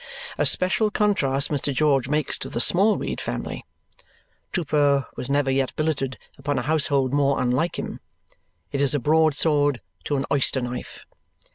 A special contrast Mr. George makes to the Smallweed family. Trooper was never yet billeted upon a household more unlike him. It is a broadsword to an oyster knife.